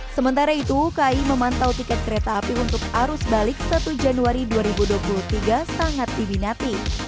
sementara itu kai memantau tiket kereta api untuk arus balik satu januari dua ribu dua puluh tiga sangat diminati